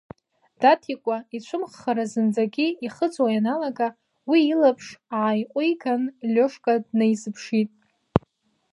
Даҭикәа ицәымӷхара зынӡагьы ихыҵуа ианалага, уи илаԥш ааиҟәиган, Лиошка днаизыԥшит.